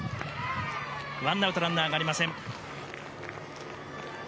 １アウトランナーがありません。